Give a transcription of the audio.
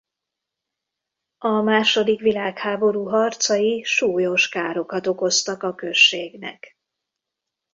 A második világháború harcai súlyos károkat okoztak a községnek.